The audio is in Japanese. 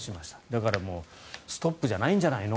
だからもうストップじゃないんじゃないの？